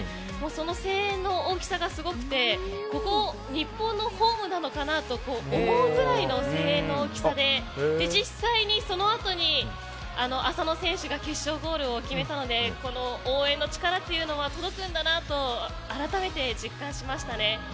その声援の大きさがすごくてここは日本のホームなのかなと思うぐらいの声援の大きさで実際に、そのあとに浅野選手が決勝ゴールを決めたのでこの応援の力は届くんだなと改めて実感しましたね。